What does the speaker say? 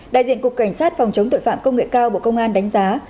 đại diện cục cảnh sát phòng chống tội phạm công nghệ cao bộ công an đánh giá